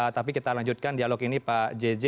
tapi kita lanjutkan dialog ini pak jj